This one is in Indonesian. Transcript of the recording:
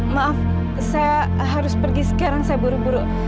maaf saya harus pergi sekarang saya buru buru